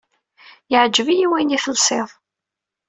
Yeɛǧeb-iyi wayen i telsiḍ.